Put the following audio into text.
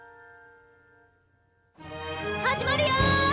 始まるよ！